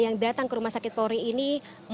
yang datang ke rumah sakit polri ini